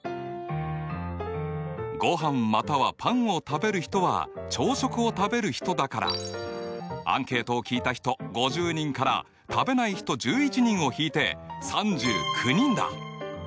ごはんまたはパンを食べる人は朝食を食べる人だからアンケートを聞いた人５０人から食べない人１１人を引いて３９人だ。